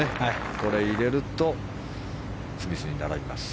これを入れるとスミスに並びます。